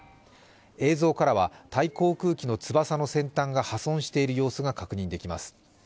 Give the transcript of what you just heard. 映像からはタイ航空機の翼の先端が破損している様子が確認できます。